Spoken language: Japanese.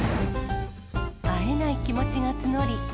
会えない気持ちが募り。